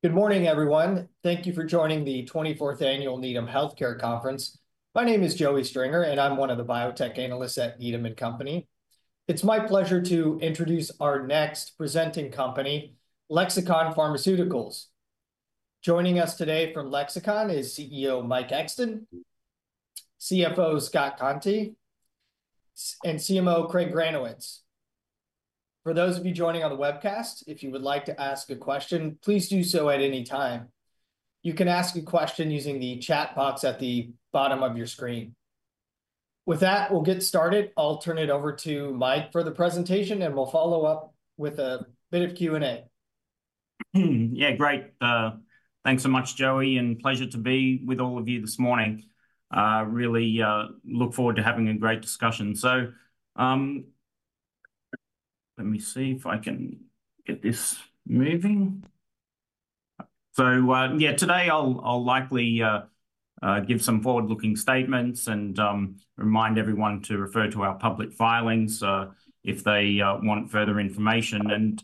Good morning, everyone. Thank you for joining the 24th Annual Needham Healthcare Conference. My name is Joey Stringer, and I'm one of the biotech analysts at Needham & Company. It's my pleasure to introduce our next presenting company, Lexicon Pharmaceuticals. Joining us today from Lexicon is CEO Mike Exton, CFO Scott Coiante, and CMO Craig Granowitz. For those of you joining on the webcast, if you would like to ask a question, please do so at any time. You can ask a question using the chat box at the bottom of your screen. With that, we'll get started. I'll turn it over to Mike for the presentation, and we'll follow up with a bit of Q&A. Yeah, great. Thanks so much, Joey, and pleasure to be with all of you this morning. Really look forward to having a great discussion. So let me see if I can get this moving. Yeah, today I'll likely give some forward-looking statements and remind everyone to refer to our public filings if they want further information.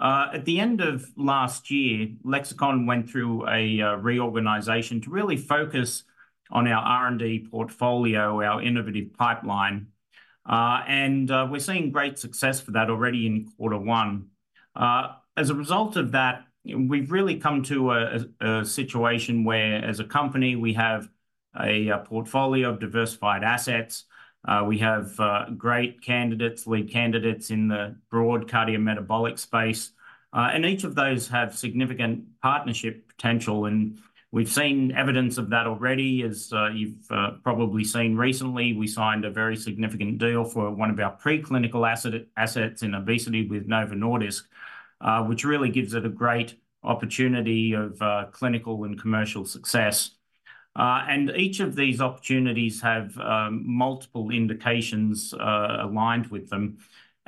At the end of last year, Lexicon went through a reorganization to really focus on our R&D portfolio, our innovative pipeline. And We're seeing great success for that already in Q1. As a result of that, we've really come to a situation where, as a company, we have a portfolio of diversified assets. We have great candidates, lead candidates in the broad cardiometabolic space. And each of those have significant partnership potential. We've seen evidence of that already, as you've probably seen recently. We signed a very significant deal for one of our preclinical assets in obesity with Novo Nordisk, which really gives it a great opportunity of clinical and commercial success. Each of these opportunities have multiple indications aligned with them.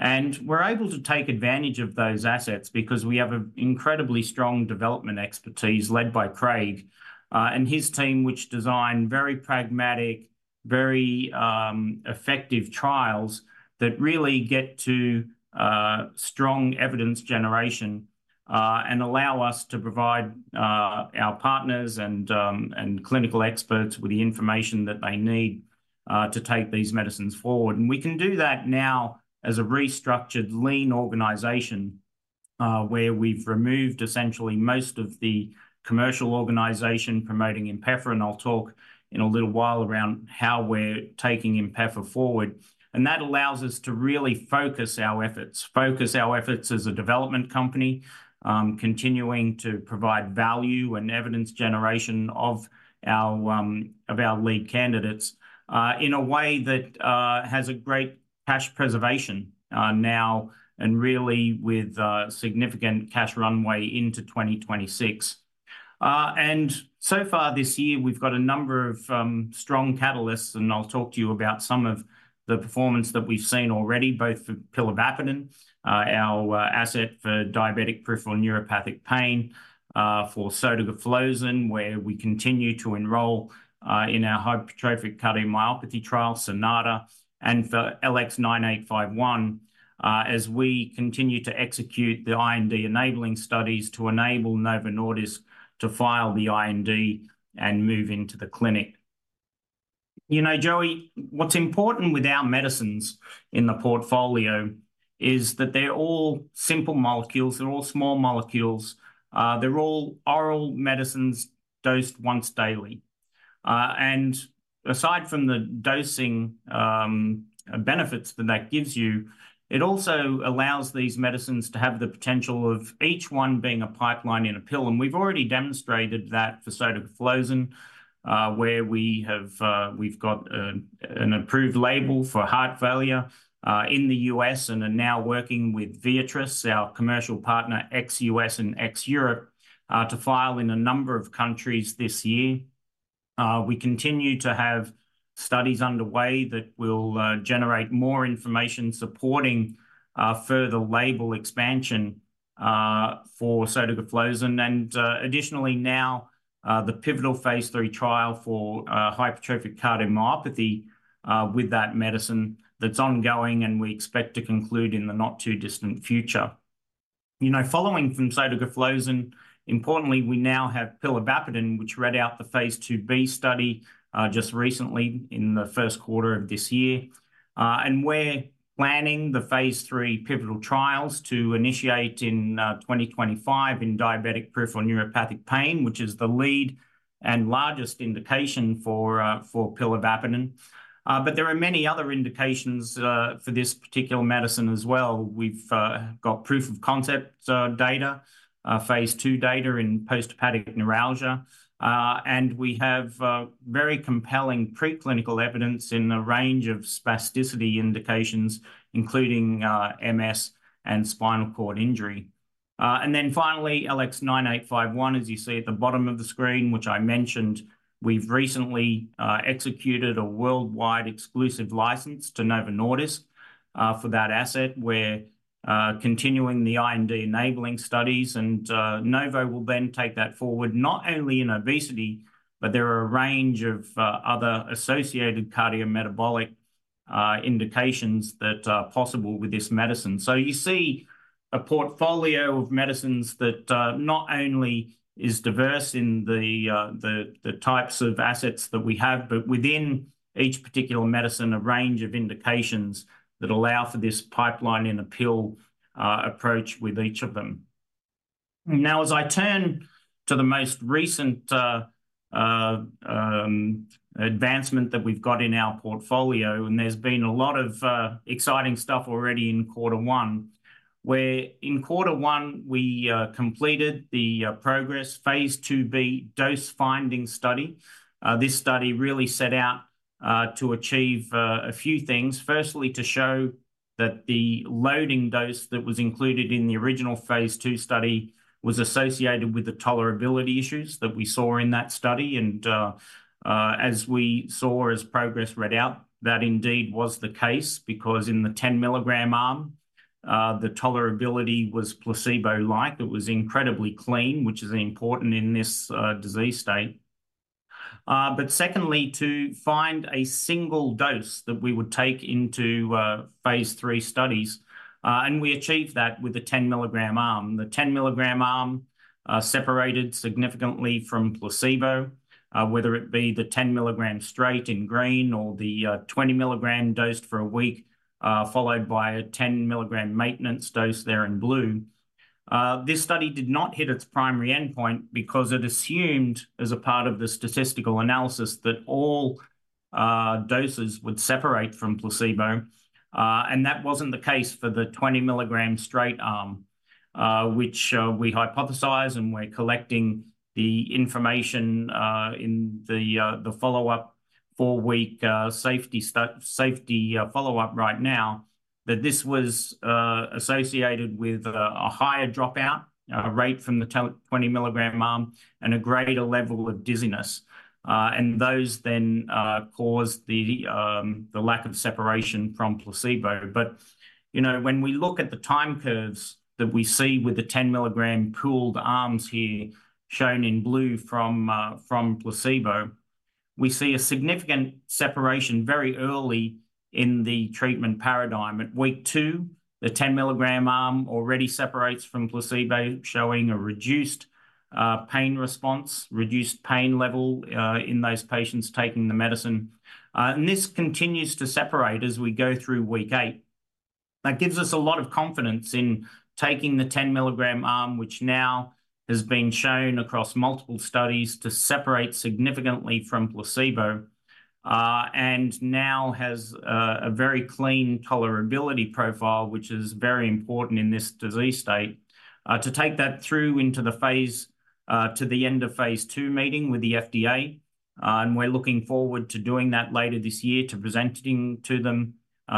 We are able to take advantage of those assets because we have an incredibly strong development expertise led by Craig and his team, which designed very pragmatic, very effective trials that really get to strong evidence generation and allow us to provide our partners and clinical experts with the information that they need to take these medicines forward. We can do that now as a restructured, lean organization where we have removed essentially most of the commercial organization promoting INPEFA. I will talk in a little while around how we are taking INPEFA forward. That allows us to really focus our efforts, focus our efforts as a development company, continuing to provide value and evidence generation of our lead candidates in a way that has a great cash preservation now and really with significant cash runway into 2026. So far this year, we've got a number of strong catalysts. I'll talk to you about some of the performance that we've seen already, both for LX9211, our asset for diabetic peripheral neuropathic pain, for sotagliflozin, where we continue to enrol in our hypertrophic cardiomyopathy trial, Sonata, and for LX9851, as we continue to execute the IND-enabling studies to enable Novo Nordisk to file the IND and move into the clinic. You know, Joey, what's important with our medicines in the portfolio is that they're all simple molecules. They're all small molecules. They're all oral medicines dosed once daily. Aside from the dosing benefits that that gives you, it also allows these medicines to have the potential of each one being a pipeline in a pill. We've already demonstrated that for Sotagliflozin, where we've got an approved label for heart failure in the U.S. and are now working with Viatris, our commercial partner, ex-U.S. and ex-Europe, to file in a number of countries this year. We continue to have studies underway that will generate more information supporting further label expansion for Sotagliflozin. Additionally, now the pivotal phase III trial for hypertrophic cardiomyopathy with that medicine is ongoing, and we expect to conclude in the not too distant future. You know, following from Sotagliflozin, importantly, we now have Pilavapadin, which read out the phase II-B study just recently in the Q1 of this year. We are planning the phase III pivotal trials to initiate in 2025 in diabetic peripheral neuropathic pain, which is the lead and largest indication for Pilavapadin. There are many other indications for this particular medicine as well. We have proof of concept data, phase II data in post-herpetic neuralgia. We have very compelling preclinical evidence in a range of spasticity indications, including MS and spinal cord injury. Finally, LX9851, as you see at the bottom of the screen, which I mentioned, we have recently executed a worldwide exclusive license to Novo Nordisk for that asset, where we are continuing the IND-enabling studies. Novo will then take that forward, not only in obesity, but there are a range of other associated cardiometabolic indications that are possible with this medicine. You see a portfolio of medicines that not only is diverse in the types of assets that we have, but within each particular medicine, a range of indications that allow for this pipeline in a pill approach with each of them. Now, as I turn to the most recent advancement that we've got in our portfolio, and there's been a lot of exciting stuff already in Q1, where in Q1, we completed the Progress phase II-B dose finding study. This study really set out to achieve a few things. Firstly, to show that the loading dose that was included in the original phase II study was associated with the tolerability issues that we saw in that study. As we saw as Progress read out, that indeed was the case because in the 10 milligram arm, the tolerability was placebo-like. It was incredibly clean, which is important in this disease state. Secondly, to find a single dose that we would take into phase III studies. We achieved that with the 10 milligram arm. The 10 milligram arm separated significantly from placebo, whether it be the 10 milligram straight in green or the 20 milligram dosed for a week, followed by a 10 milligram maintenance dose there in blue. This study did not hit its primary endpoint because it assumed as a part of the statistical analysis that all doses would separate from placebo. That was not the case for the 20 milligram straight arm, which we hypothesize, and we are collecting the information in the follow-up four-week safety follow-up right now, that this was associated with a higher dropout rate from the 20 milligram arm and a greater level of dizziness. Those then caused the lack of separation from placebo. You know, when we look at the time curves that we see with the 10 milligram pooled arms here shown in blue from placebo, we see a significant separation very early in the treatment paradigm. At week two, the 10 milligram arm already separates from placebo, showing a reduced pain response, reduced pain level in those patients taking the medicine. This continues to separate as we go through week eight. That gives us a lot of confidence in taking the 10 milligram arm, which now has been shown across multiple studies to separate significantly from placebo and now has a very clean tolerability profile, which is very important in this disease state. To take that through into the phase, to the end of phase II meeting with the FDA, and we're looking forward to doing that later this year to presenting to them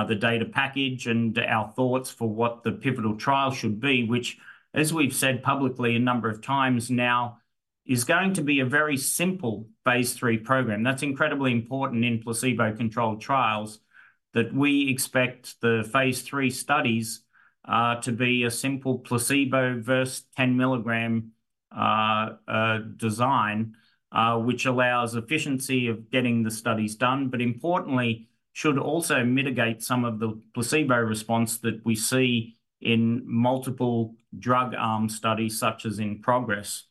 the data package and our thoughts for what the pivotal trial should be, which, as we've said publicly a number of times now, is going to be a very simple phase III program. That's incredibly important in placebo-controlled trials that we expect the phase III studies to be a simple placebo versus 10 milligram design, which allows efficiency of getting the studies done, but importantly, should also mitigate some of the placebo response that we see in multiple drug arm studies, such as in Progress.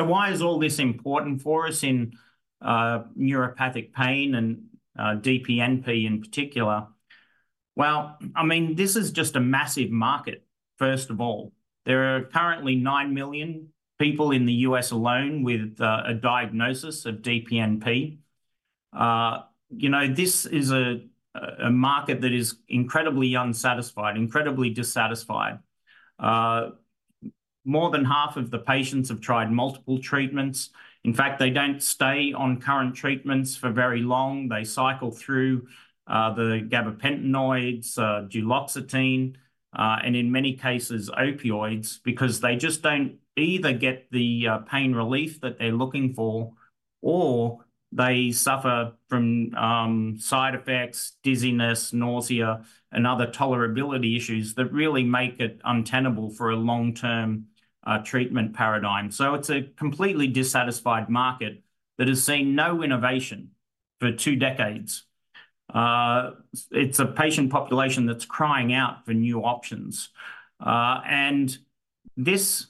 Why is all this important for us in neuropathic pain and DPNP in particular? I mean, this is just a massive market, first of all. There are currently 9 million people in the U.S. alone with a diagnosis of DPNP. You know, This is a market that is incredibly unsatisfied, incredibly dissatisfied. More than half of the patients have tried multiple treatments. In fact, they do not stay on current treatments for very long. They cycle through the gabapentinoids, duloxetine, and in many cases, opioids, because they just do not either get the pain relief that they are looking for, or they suffer from side effects, dizziness, nausea, and other tolerability issues that really make it untenable for a long-term treatment paradigm. So It's a completely dissatisfied market that has seen no innovation for two decades. It is a patient population that is crying out for new options. This,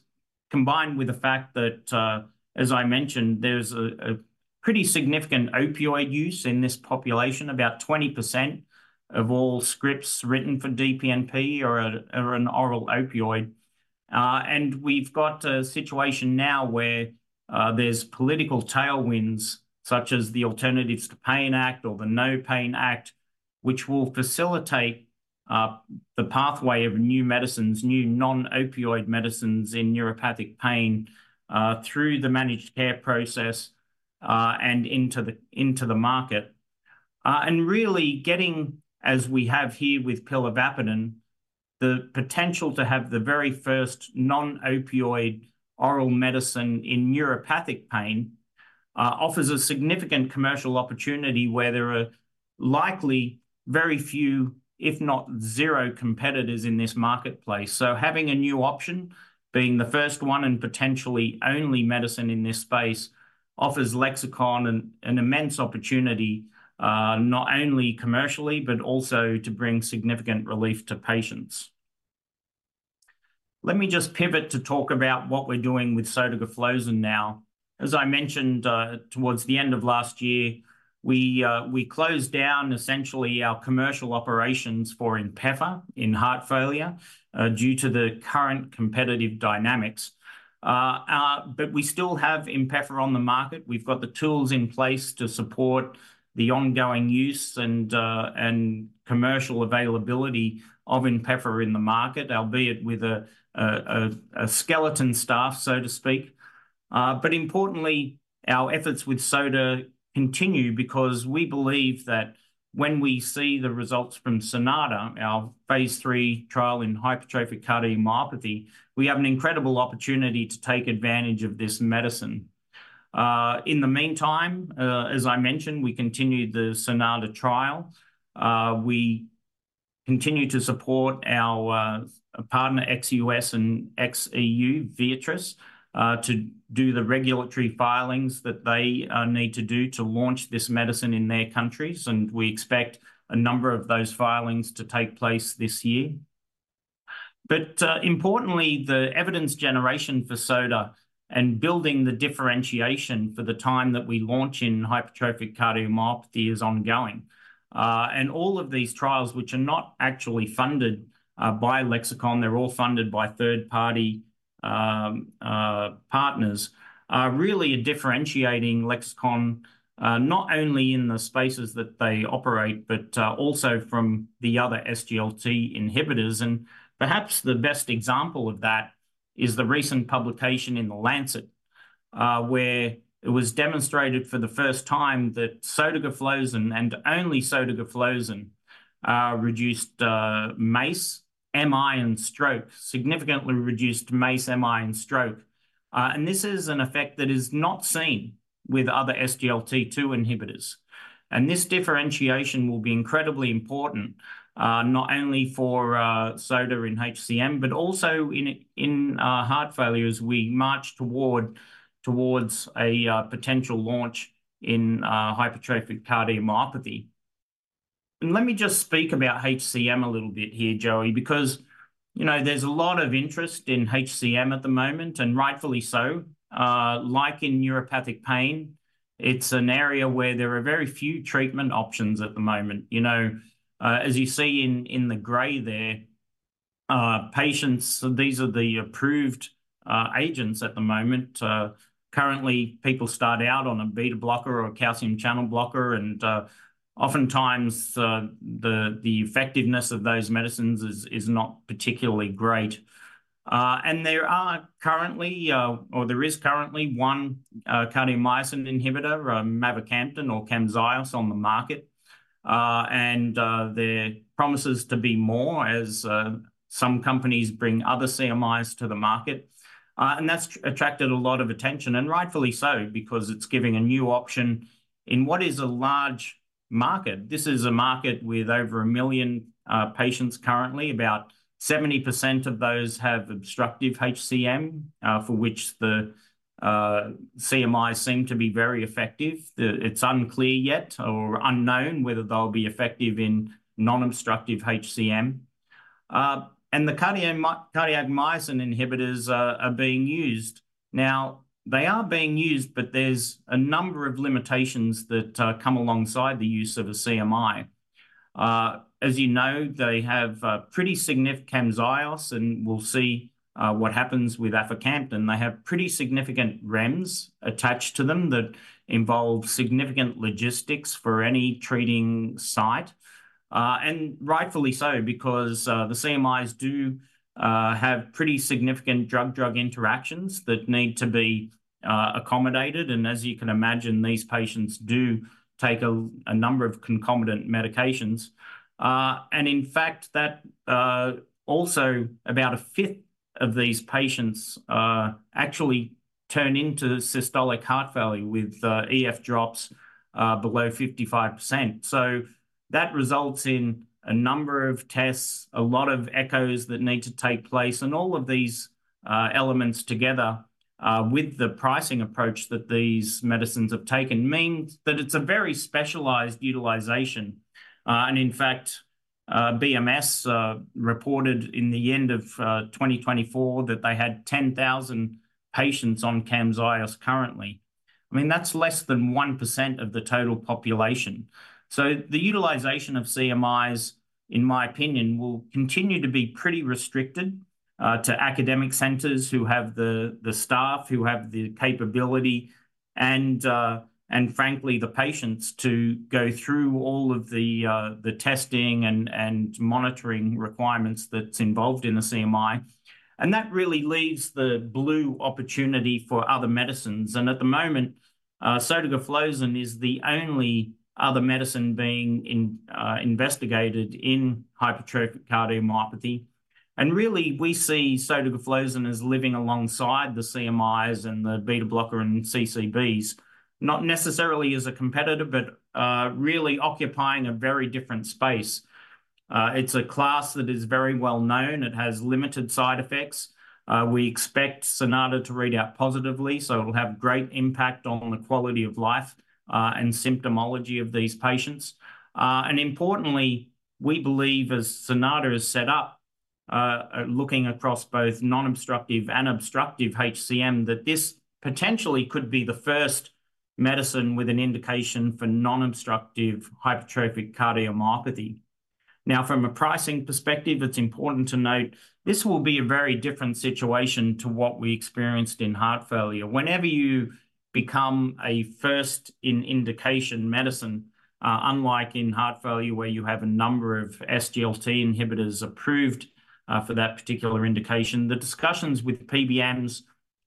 combined with the fact that, as I mentioned, there is a pretty significant opioid use in this population, about 20% of all scripts written for DPNP are an oral opioid. We have a situation now where there are political tailwinds, such as the Alternatives to Pain Act or the No Pain Act, which will facilitate the pathway of new medicines, new non-opioid medicines in neuropathic pain through the managed care process and into the market. Really getting, as we have here with Pilavapadin, the potential to have the very first non-opioid oral medicine in neuropathic pain offers a significant commercial opportunity where there are likely very few, if not zero, competitors in this marketplace. Having a new option, being the first one and potentially only medicine in this space, offers Lexicon an immense opportunity, not only commercially, but also to bring significant relief to patients. Let me just pivot to talk about what we are doing with Sotagliflozin now. As I mentioned, towards the end of last year, we closed down essentially our commercial operations for INPEFA in heart failure due to the current competitive dynamics. We still have INPEFA on the market. We've got the tools in place to support the ongoing use and commercial availability of INPEFA in the market, albeit with a skeleton staff, so to speak. Importantly, our efforts with sota continue because we believe that when we see the results from Sonata, our phase III trial in hypertrophic cardiomyopathy, we have an incredible opportunity to take advantage of this medicine. In the meantime, as I mentioned, we continue the Sonata trial. We continue to support our partner, ex-US and ex-EU, Viatris, to do the regulatory filings that they need to do to launch this medicine in their countries. We expect a number of those filings to take place this year. Importantly, the evidence generation for sota and building the differentiation for the time that we launch in hypertrophic cardiomyopathy is ongoing. All of these trials, which are not actually funded by Lexicon, they're all funded by third-party partners, are really differentiating Lexicon, not only in the spaces that they operate, but also from the other SGLT inhibitors. Perhaps the best example of that is the recent publication in The Lancet, where it was demonstrated for the first time that Sotagliflozin and only Sotagliflozin reduced MACE, MI, and stroke, significantly reduced MACE, MI, and stroke. This is an effect that is not seen with other SGLT2 inhibitors. This differentiation will be incredibly important, not only for sota in HCM, but also in heart failure as we march towards a potential launch in hypertrophic cardiomyopathy. Let me just speak about HCM a little bit here, Joey, because you know there's a lot of interest in HCM at the moment, and rightfully so. Like in neuropathic pain, it's an area where there are very few treatment options at the moment. You know, as you see in the gray there, patients, these are the approved agents at the moment. Currently, people start out on a beta blocker or a calcium channel blocker, and oftentimes the effectiveness of those medicines is not particularly great. There is currently one cardiac myosin inhibitor, mavacamten or Camzyos, on the market. There promises to be more as some companies bring other CMIs to the market. That's attracted a lot of attention, and rightfully so, because it's giving a new option in what is a large market. This is a market with over a million patients currently. About 70% of those have obstructive HCM, for which the CMIs seem to be very effective. It's unclear yet or unknown whether they'll be effective in non-obstructive HCM. The cardiac myosin inhibitors are being used. Now, they are being used, but there's a number of limitations that come alongside the use of a CMI. As you know, they have pretty significant Camzyos, and we'll see what happens with aficamten. They have pretty significant REMS attached to them that involve significant logistics for any treating site. Rightfully so, because the CMIs do have pretty significant drug-drug interactions that need to be accommodated. As you can imagine, these patients do take a number of concomitant medications. In fact, also about a fifth of these patients actually turn into systolic heart failure with EF drops below 55%. That results in a number of tests, a lot of echoes that need to take place. All of these elements together, with the pricing approach that these medicines have taken, means that it's a very specialized utilization. In fact, Bristol-Myers Squibb reported in the end of 2024 that they had 10,000 patients on Camzyos currently. I mean, that's less than 1% of the total population. The utilization of CMIs, in my opinion, will continue to be pretty restricted to academic centers who have the staff, who have the capability, and frankly, the patients to go through all of the testing and monitoring requirements that's involved in the CMI. That really leaves the blue opportunity for other medicines. At the moment, Sotagliflozin is the only other medicine being investigated in hypertrophic cardiomyopathy. Really, we see Sotagliflozin as living alongside the CMIs and the beta blocker and CCBs, not necessarily as a competitor, but really occupying a very different space. It's a class that is very well known. It has limited side effects. We expect Sonata to read out positively, so it'll have great impact on the quality of life and symptomology of these patients. Importantly, we believe as Sonata is set up, looking across both non-obstructive and obstructive HCM, that this potentially could be the first medicine with an indication for non-obstructive hypertrophic cardiomyopathy. Now, from a pricing perspective, it's important to note this will be a very different situation to what we experienced in heart failure. Whenever you become a first-in-indication medicine, unlike in heart failure where you have a number of SGLT inhibitors approved for that particular indication, the discussions with PBMs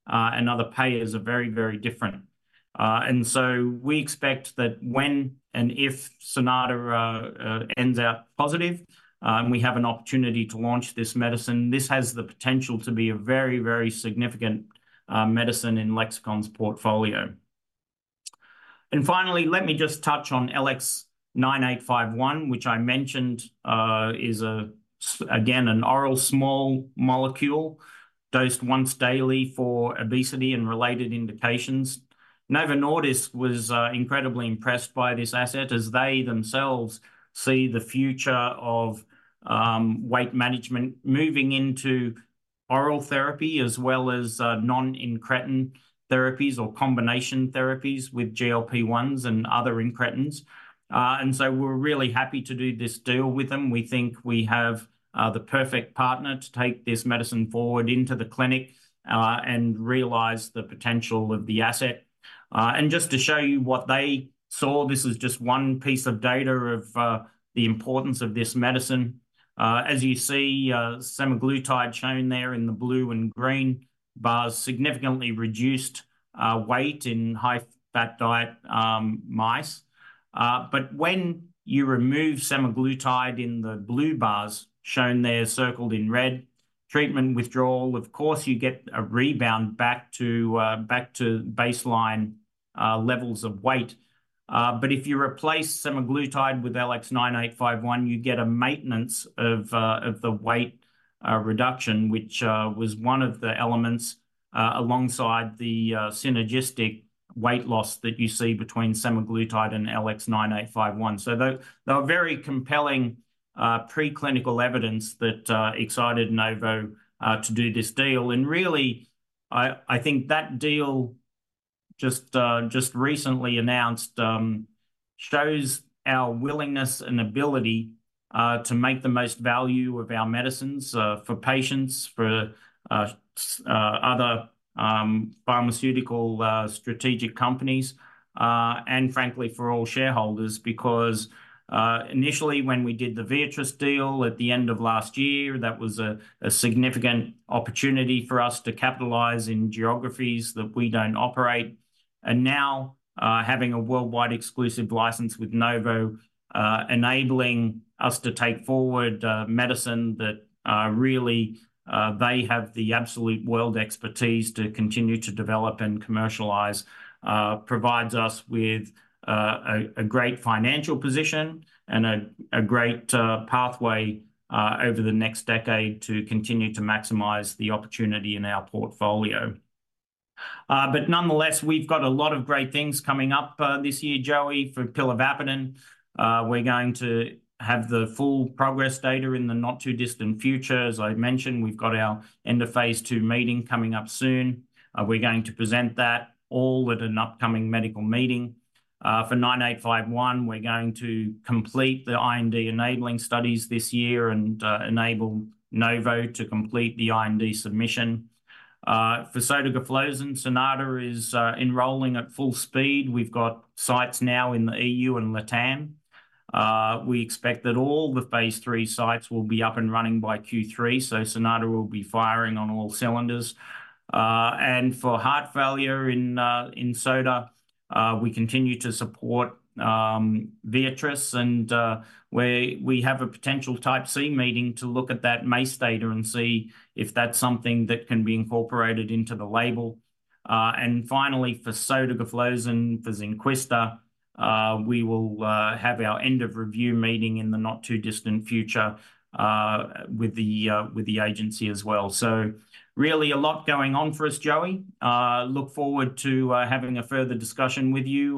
and other payers are very, very different. We expect that when and if Sonata ends out positive and we have an opportunity to launch this medicine, this has the potential to be a very, very significant medicine in Lexicon's portfolio. Finally, let me just touch on LX9851, which I mentioned is again an oral small molecule dosed once daily for obesity and related indications. Novo Nordisk was incredibly impressed by this asset as they themselves see the future of weight management moving into oral therapy as well as non-incretin therapies or combination therapies with GLP-1s and other incretins. We are really happy to do this deal with them. We think we have the perfect partner to take this medicine forward into the clinic and realize the potential of the asset. Just to show you what they saw, this is just one piece of data of the importance of this medicine. As you see, semaglutide shown there in the blue and green bars significantly reduced weight in high-fat diet mice. When you remove semaglutide in the blue bars shown there circled in red, treatment withdrawal, of course, you get a rebound back to baseline levels of weight. If you replace semaglutide with LX9851, you get a maintenance of the weight reduction, which was one of the elements alongside the synergistic weight loss that you see between semaglutide and LX9851. There are very compelling preclinical evidence that excited Novo to do this deal. I think that deal just recently announced shows our willingness and ability to make the most value of our medicines for patients, for other pharmaceutical strategic companies, and frankly, for all shareholders, because initially, when we did the Viatris deal at the end of last year, that was a significant opportunity for us to capitalize in geographies that we do not operate. Now, having a worldwide exclusive license with Novo enabling us to take forward medicine that really they have the absolute world expertise to continue to develop and commercialize provides us with a great financial position and a great pathway over the next decade to continue to maximize the opportunity in our portfolio. Nonetheless, we've got a lot of great things coming up this year, Joey, for Pilavapadin. We're going to have the full Progress data in the not too distant future. As I mentioned, we've got our end of phase II meeting coming up soon. We're going to present that all at an upcoming medical meeting. For 9851, we're going to complete the IND-enabling studies this year and enable Novo to complete the IND submission. For Sotagliflozin, Sonata is enrolling at full speed. We've got sites now in the EU and Latin America. We expect that all the phase III sites will be up and running by Q3, so Sonata will be firing on all cylinders. For heart failure in INPEFA, we continue to support Viatris, and we have a potential type C meeting to look at that MACE data and see if that's something that can be incorporated into the label. Finally, for Sotagliflozin, for Zynquista, we will have our end of review meeting in the not too distant future with the agency as well. Really a lot going on for us, Joey. Look forward to having a further discussion with you,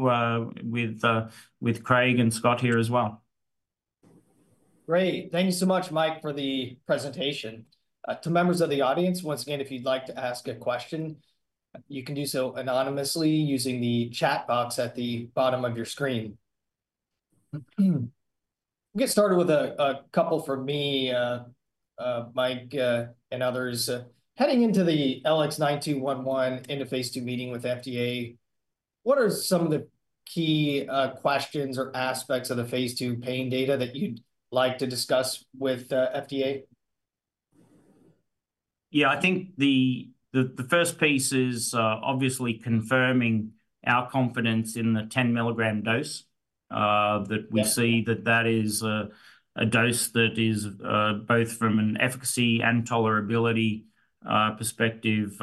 with Craig and Scott here as well. Great. Thank you so much, Mike, for the presentation. To members of the audience, once again, if you'd like to ask a question, you can do so anonymously using the chat box at the bottom of your screen. We'll get started with a couple from me, Mike, and others. Heading into the LX9211 end of phase II meeting with FDA, what are some of the key questions or aspects of the phase II pain data that you'd like to discuss with FDA? Yeah, I think the first piece is obviously confirming our confidence in the 10 milligram dose, that we see that that is a dose that is both from an efficacy and tolerability perspective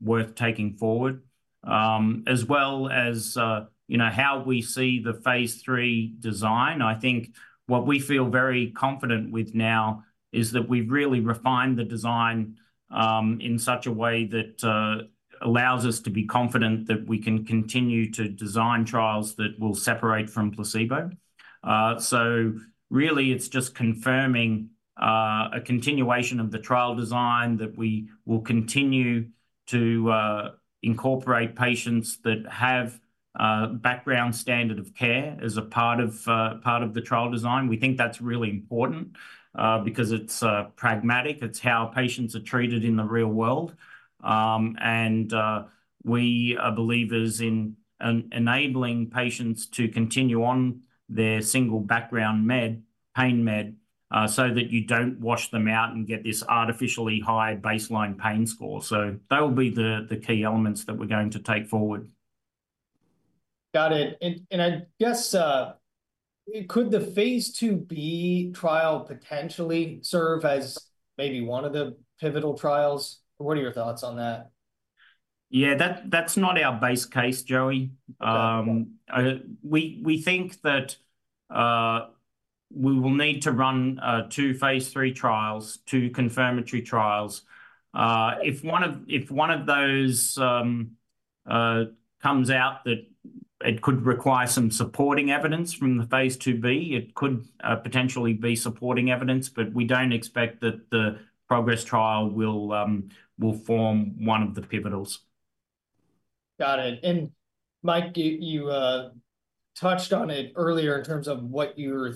worth taking forward, as well as how we see the phase III design. I think what we feel very confident with now is that we've really refined the design in such a way that allows us to be confident that we can continue to design trials that will separate from placebo. It's just confirming a continuation of the trial design that we will continue to incorporate patients that have background standard of care as a part of the trial design. We think that's really important because it's pragmatic. It's how patients are treated in the real world. We are believers in enabling patients to continue on their single background pain med so that you do not wash them out and get this artificially high baseline pain score. That will be the key elements that we are going to take forward. Got it. I guess, could the phase II-B trial potentially serve as maybe one of the pivotal trials? What are your thoughts on that? Yeah, that is not our base case, Joey. We think that we will need to run two phase III trials, two confirmatory trials. If one of those comes out that it could require some supporting evidence from the phase II-B, it could potentially be supporting evidence, but we do not expect that the Progress trial will form one of the pivotals. Got it. Mike, you touched on it earlier in terms of what you are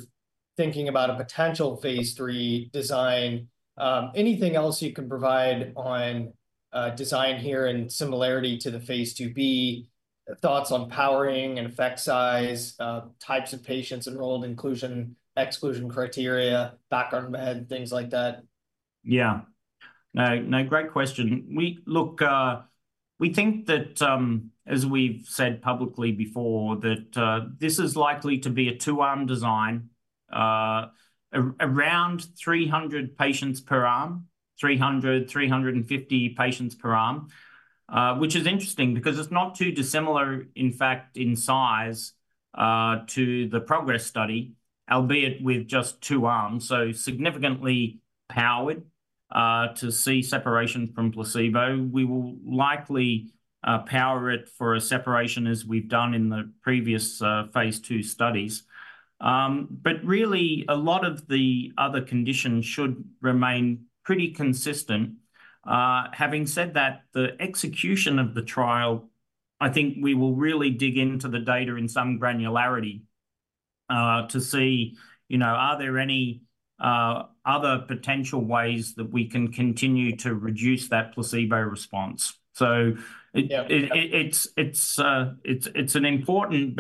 thinking about a potential phase III design. Anything else you can provide on design here in similarity to the phase II-B, thoughts on powering and effect size, types of patients enrolled, inclusion, exclusion criteria, background med, things like that? Yeah. Great question. We think that, as we've said publicly before, that this is likely to be a two-arm design, around 300 patients per arm, 300-350 patients per arm, which is interesting because it's not too dissimilar, in fact, in size to the PROGRESS study, albeit with just two arms. Significantly powered to see separation from placebo. We will likely power it for a separation as we've done in the previous phase II studies. Really, a lot of the other conditions should remain pretty consistent. Having said that, the execution of the trial, I think we will really dig into the data in some granularity to see, are there any other potential ways that we can continue to reduce that placebo response? It is an important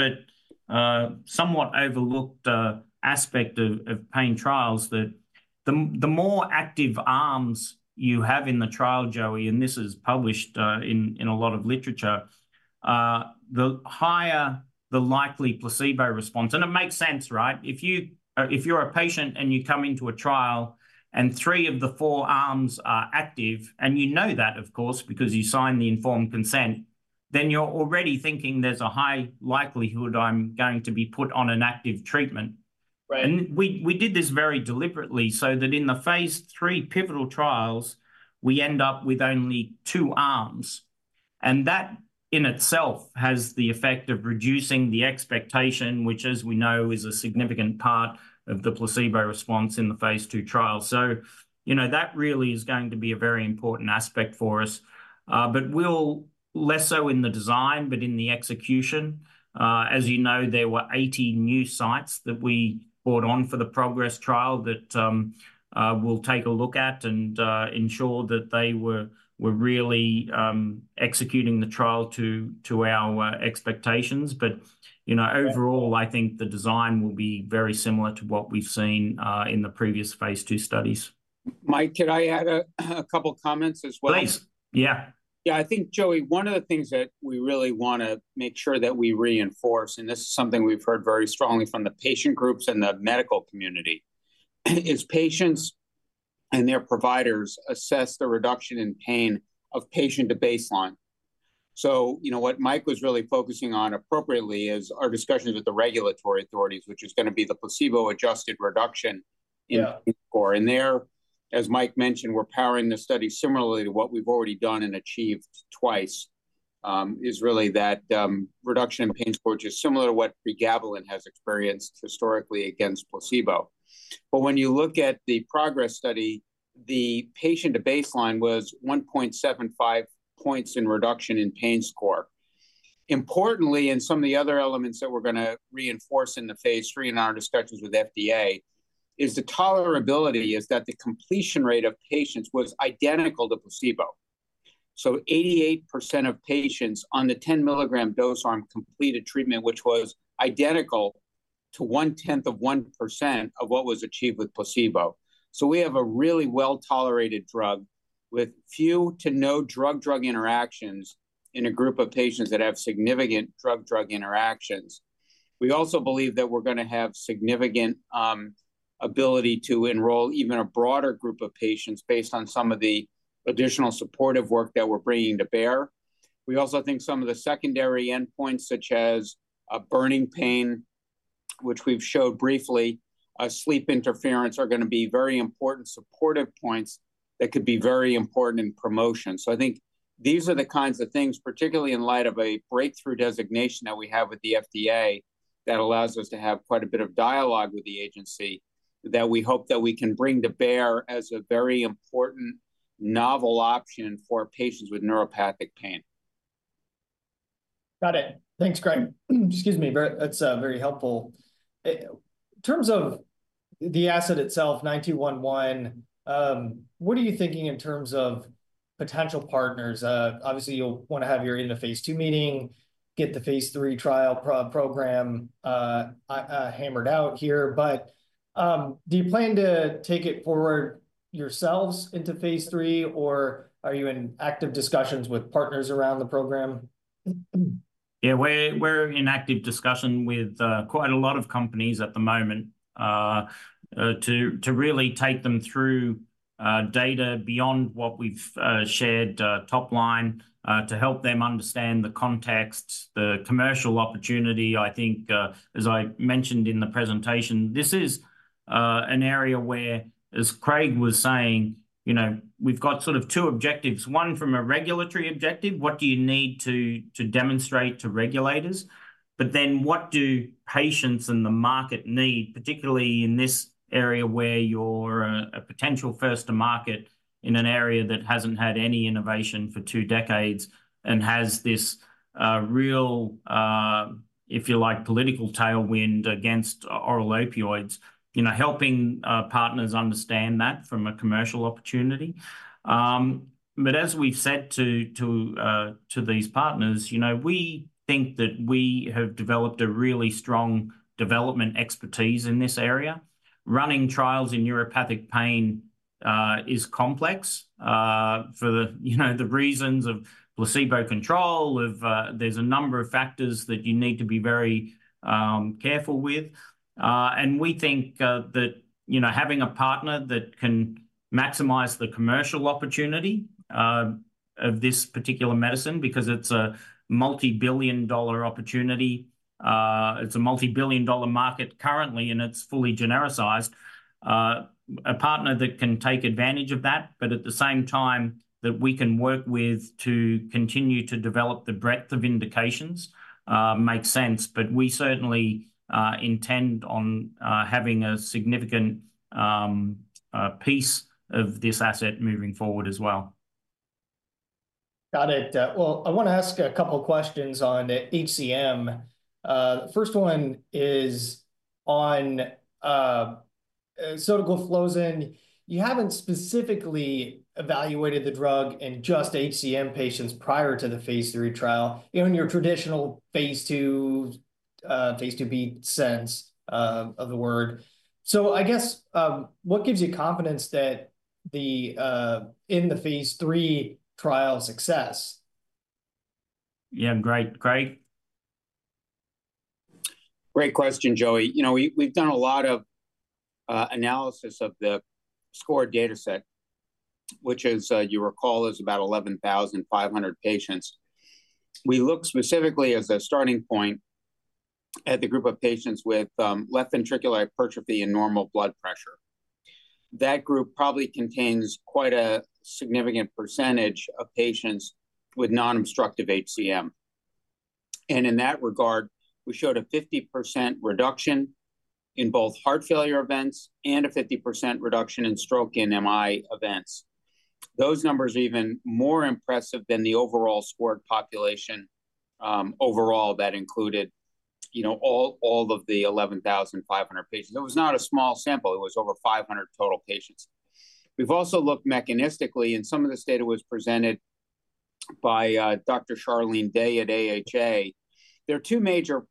but somewhat overlooked aspect of pain trials that the more active arms you have in the trial, Joey, and this is published in a lot of literature, the higher the likely placebo response. It makes sense, right? If you're a patient and you come into a trial and three of the four arms are active, and you know that, of course, because you sign the informed consent, then you're already thinking there's a high likelihood I'm going to be put on an active treatment. We did this very deliberately so that in the phase III pivotal trials, we end up with only two arms. That in itself has the effect of reducing the expectation, which, as we know, is a significant part of the placebo response in the phase II trial. So that really is going to be a very important aspect for us. It will be less so in the design, but in the execution. As you know, there were 80 new sites that we brought on for the progress trial that we will take a look at and ensure that they were really executing the trial to our expectations. But in overall, I think the design will be very similar to what we have seen in the previous phase II studies. Mike, could I add a couple of comments as well? Please. Yeah. Yeah, I think, Joey, one of the things that we really want to make sure that we reinforce, and this is something we've heard very strongly from the patient groups and the medical community, is patients and their providers assess the reduction in pain of patient to baseline. What Mike was really focusing on appropriately is our discussions with the regulatory authorities, which is going to be the placebo-adjusted reduction in pain score. There, as Mike mentioned, we're powering the study similarly to what we've already done and achieved twice, is really that reduction in pain score, which is similar to what pregabalin has experienced historically against placebo. When you look at the Progress study, the patient to baseline was 1.75 points in reduction in pain score. Importantly, some of the other elements that we're going to reinforce in the phase III in our discussions with FDA is the tolerability is that the completion rate of patients was identical to placebo. Eighty-eight percent of patients on the 10 milligram dose arm completed treatment, which was identical to one-tenth of 1% of what was achieved with placebo. We have a really well-tolerated drug with few to no drug-drug interactions in a group of patients that have significant drug-drug interactions. We also believe that we're going to have significant ability to enroll even a broader group of patients based on some of the additional supportive work that we're bringing to bear. We also think some of the secondary endpoints, such as burning pain, which we've showed briefly, sleep interference are going to be very important supportive points that could be very important in promotion. I think these are the kinds of things, particularly in light of a breakthrough designation that we have with the FDA that allows us to have quite a bit of dialogue with the agency that we hope that we can bring to bear as a very important novel option for patients with neuropathic pain. Got it. Thanks, Craig. Excuse me. That's very helpful. In terms of the asset itself, 9211, what are you thinking in terms of potential partners? Obviously, you'll want to have your end of phase II meeting, get the phase III trial program hammered out here. Do you plan to take it forward yourselves into phase III, or are you in active discussions with partners around the program? Yeah, we're in active discussion with quite a lot of companies at the moment to really take them through data beyond what we've shared topline to help them understand the context, the commercial opportunity. I think, as I mentioned in the presentation, this is an area where, as Craig was saying, we've got sort of two objectives. One from a regulatory objective, what do you need to demonstrate to regulators, but then what do patients and the market need, particularly in this area where you're a potential first to market in an area that hasn't had any innovation for two decades and has this real, if you like, political tailwind against oral opioids, helping partners understand that from a commercial opportunity. As we've said to these partners, we think that we have developed a really strong development expertise in this area. Running trials in neuropathic pain is complex for the reasons of placebo control. There are a number of factors that you need to be very careful with. We think that having a partner that can maximize the commercial opportunity of this particular medicine, because it's a multi-billion dollar opportunity, it's a multi-billion dollar market currently, and it's fully genericized, a partner that can take advantage of that, at the same time that we can work with to continue to develop the breadth of indications makes sense. We certainly intend on having a significant piece of this asset moving forward as well. Got it. I want to ask a couple of questions on HCM. The first one is on Sotagliflozin. You haven't specifically evaluated the drug in just HCM patients prior to the phase III trial, in your traditional phase II, phase II-B sense of the word. I guess, what gives you confidence that in the phase III trial success? Yeah, great. Craig? Great question, Joey. We've done a lot of analysis of the score dataset, which, as you recall, is about 11,500 patients. We looked specifically as a starting point at the group of patients with left ventricular hypertrophy and normal blood pressure. That group probably contains quite a significant percentage of patients with non-obstructive HCM. In that regard, we showed a 50% reduction in both heart failure events and a 50% reduction in stroke and MI events. Those numbers are even more impressive than the overall scored population overall that included all of the 11,500 patients. It was not a small sample. It was over 500 total patients. We've also looked mechanistically, and some of this data was presented by Dr. Sharlene Day at AHA. There are two major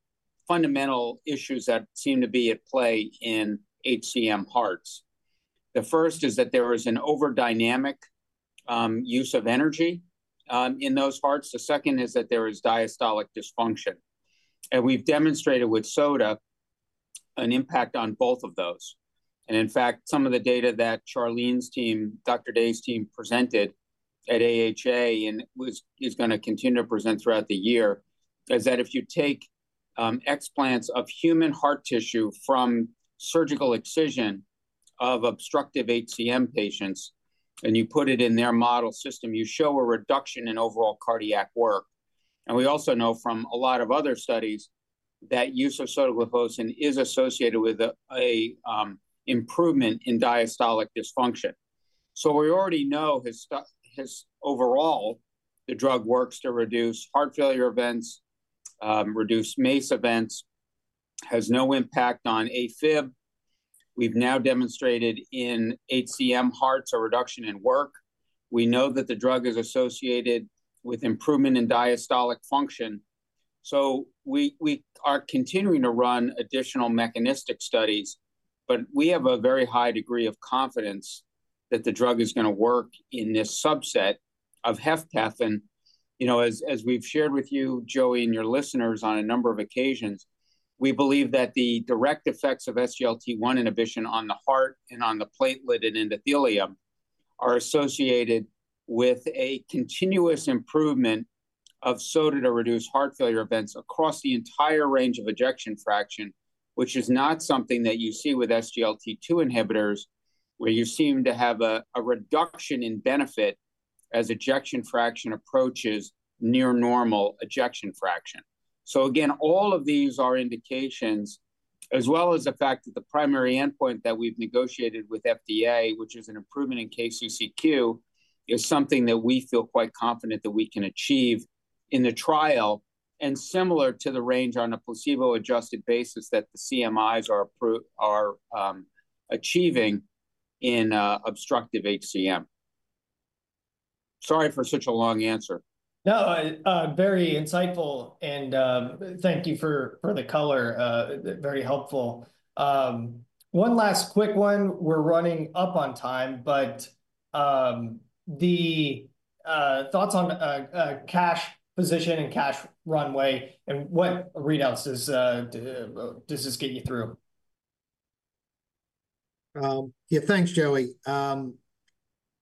fundamental issues that seem to be at play in HCM hearts. The first is that there is an over dynamic use of energy in those hearts. The second is that there is diastolic dysfunction. We have demonstrated with Sotagliflozin an impact on both of those. In fact, some of the data that Charlene's team, Dr. Day's team, presented at AHA and is going to continue to present throughout the year is that if you take explants of human heart tissue from surgical excision of obstructive HCM patients and you put it in their model system, you show a reduction in overall cardiac work. We also know from a lot of other studies that use of Sotagliflozin is associated with an improvement in diastolic dysfunction. We already know overall the drug works to reduce heart failure events, reduce MACE events, has no impact on AFib. We've now demonstrated in HCM hearts a reduction in work. We know that the drug is associated with improvement in diastolic function. We are continuing to run additional mechanistic studies, but we have a very high degree of confidence that the drug is going to work in this subset of HCM. As we've shared with you, Joey, and your listeners on a number of occasions, we believe that the direct effects of SGLT1 inhibition on the heart and on the platelet and endothelium are associated with a continuous improvement of Sotagliflozin to reduce heart failure events across the entire range of ejection fraction, which is not something that you see with SGLT2 inhibitors, where you seem to have a reduction in benefit as ejection fraction approaches near normal ejection fraction. Again, all of these are indications, as well as the fact that the primary endpoint that we've negotiated with FDA, which is an improvement in KCCQ, is something that we feel quite confident that we can achieve in the trial and similar to the range on a placebo-adjusted basis that the CMIs are achieving in obstructive HCM. Sorry for such a long answer. No, very insightful. And thank you for the color. Very helpful. One last quick one. We're running up on time, but the thoughts on cash position and cash runway and what readouts does this get you through? Yeah, thanks, Joey.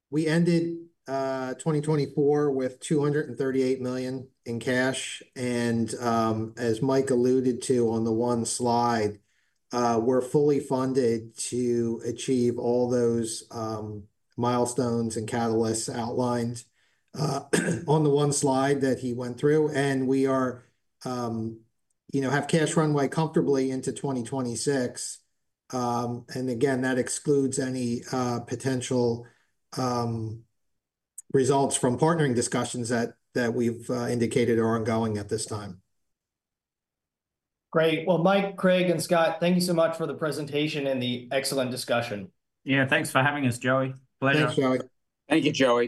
We ended 2024 with $238 million in cash. As Mike alluded to on the one slide, we're fully funded to achieve all those milestones and catalysts outlined on the one slide that he went through. We have cash runway comfortably into 2026. That excludes any potential results from partnering discussions that we've indicated are ongoing at this time. Great. Mike, Craig, and Scott, thank you so much for the presentation and the excellent discussion. Yeah, thanks for having us, Joey. Pleasure. Thanks, Joey. Thank you, Joey.